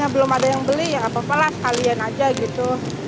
belum ada yang beli ya apa apa lah sekalian aja gitu